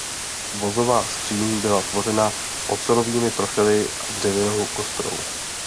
Vozová skříň byla tvořená ocelovými profily a dřevěnou kostrou.